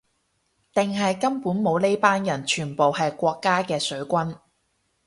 定係根本冇呢班人，全部係國家嘅水軍